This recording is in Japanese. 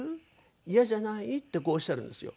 「イヤじゃない？」ってこうおっしゃるんですよ。